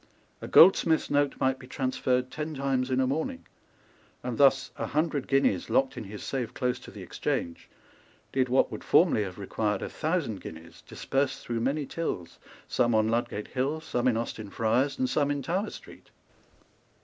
A goldsmith's note might be transferred ten times in a morning; and thus a hundred guineas, locked in his safe close to the Exchange, did what would formerly have required a thousand guineas, dispersed through many tills, some on Ludgate Hill, some in Austin Friars, and some in Tower Street.